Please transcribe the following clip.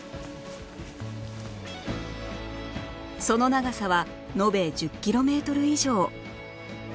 その長さは延べ１０キロメートル以上